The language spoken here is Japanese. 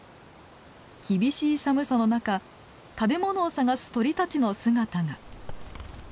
厳しい寒さの中食べ物を探す鳥たちの姿が。